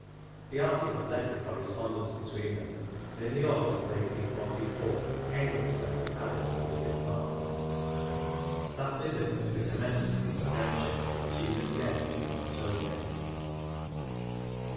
The article led to correspondence between them, and in the autumn of 1844, Engels went lo KARL MARX to Paris to visit Marx. That visit was the commence ment of a friendship which even death did not terminate.